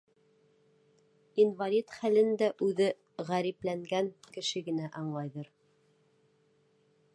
Инвалид хәлен дә үҙе ғәрипләнгән кеше генә аңлайҙыр.